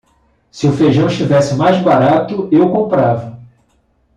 Se o feijão estivesse mais barato, eu comprava